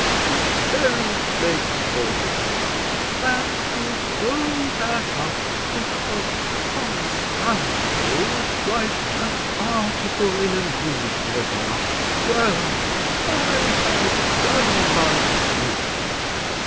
The very place for him. And to throw that up because some scoundrel writes an article in a newspaper! Well; I have done my duty.